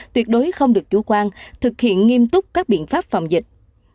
tuyệt đối không được chủ quan thực hiện nghiêm túc các biện pháp phòng dịch